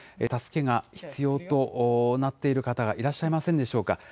助けが必要となっている方がいらっしゃいませんでしょうか。